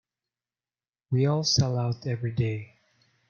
We all sell out every day.